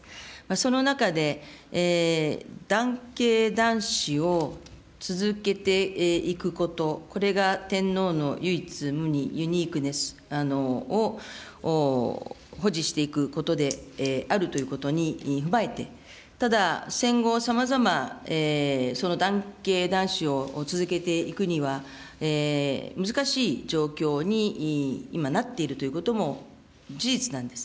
その中で、男系男子を続けていくこと、これが天皇の唯一無二、ユニークネスを保持していくことであるということに踏まえて、ただ戦後、さまざま、その男系男子を続けていくには、難しい状況に今、なっているということも事実なんです。